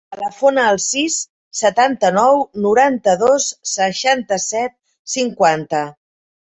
Telefona al sis, setanta-nou, noranta-dos, seixanta-set, cinquanta.